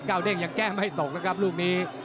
เด้งยังแก้ไม่ตกนะครับลูกนี้